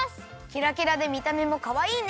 きらきらでみためもかわいいね！